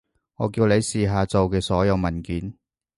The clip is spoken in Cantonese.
我叫你試下做嘅所有文件